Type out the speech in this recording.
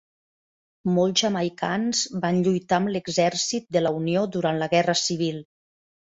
Molts jamaicans van lluitar amb l'Exèrcit de la unió durant la Guerra Civil.